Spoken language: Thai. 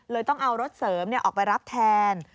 ต้องเอารถเสริมออกไปรับแทน